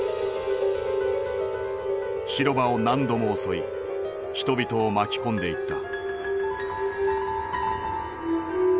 広場を何度も襲い人々を巻き込んでいった。